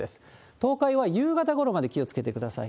東海は夕方ごろまで気をつけてください。